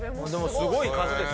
すごい数ですよ。